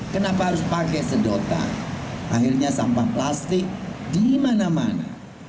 kenapa harus pakai sedotan akhirnya sampah plastik di mana mana